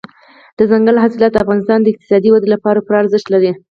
دځنګل حاصلات د افغانستان د اقتصادي ودې لپاره پوره ارزښت لري.